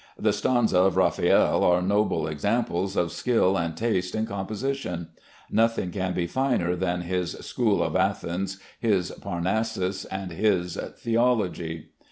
The Stanze of Raffaelle are noble examples of skill and taste in composition. Nothing can be finer than his "School of Athens," his "Parnassus," and his "Theology."